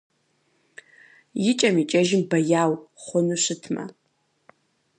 Икӏэм-икӏэжым бэяу, хъуну щытмэ!